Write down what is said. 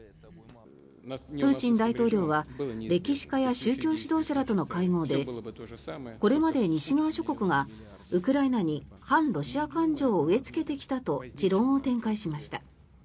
プーチン大統領は歴史家や宗教指導者らとの会合でこれまで西側諸国がウクライナに反ロシア感情を植えつけてきたと持論を展開しました。